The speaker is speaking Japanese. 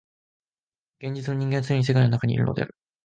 現実の人間はつねに世界の中にいるのである。